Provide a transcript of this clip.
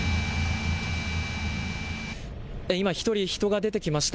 今１人、人が出てきました。